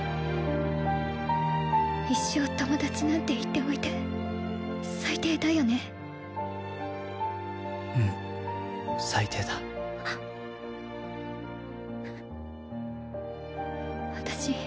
一生友達なんて言っておいて最低だよねうん最低だ私